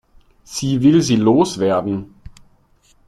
Sie will sie loswerden.